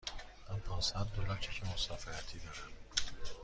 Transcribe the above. من پانصد دلار چک مسافرتی دارم.